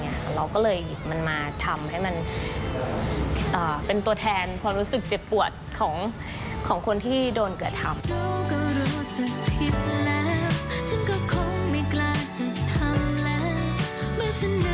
เราก็เลยหยิบมันมาทำให้มันเป็นตัวแทนความรู้สึกเจ็บปวดของคนที่โดนกระทำ